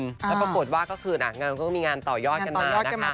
แล้วปรากฏว่าก็คืองานก็มีงานต่อยอดกันมานะคะ